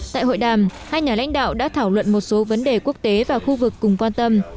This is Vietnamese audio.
tại hội đàm hai nhà lãnh đạo đã thảo luận một số vấn đề quốc tế và khu vực cùng quan tâm